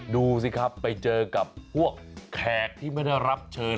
ดูสิครับไปเจอกับพวกแขกที่ไม่ได้รับเชิญ